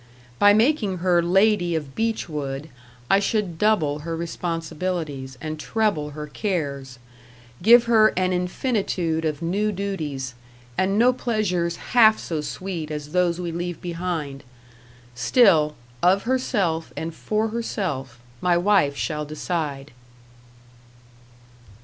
By making her lady of Beechwood I should double her responsibilities and treble her cares; give her an infinitude of new duties, and no pleasures half so sweet as those we leave behind. Still, of herself and for herself, my wife shall decide."